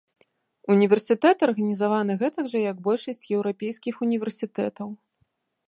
Універсітэт арганізаваны гэтак жа, як большасць еўрапейскіх універсітэтаў.